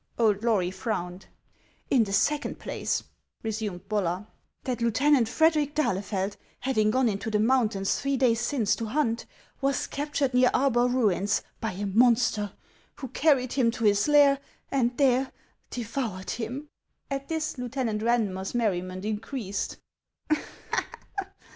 Old Lory frowned. "In the second place," resumed Bollar, "that Lieuten ant Frederic d'Ahlefeld, having gone into the mountains three days since to hunt, was captured near Arbar ruins by a monster, who carried him to his lair and there devoured him." At this, Lieutenant Eandmer's merriment increased.